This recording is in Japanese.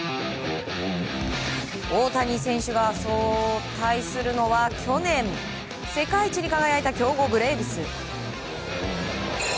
大谷選手が対するのは去年世界一に輝いた強豪ブレーブス。